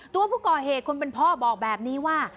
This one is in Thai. ตัวผู้ก่อเหตุคนเป็นพ่อบอกแบบนี้ว่า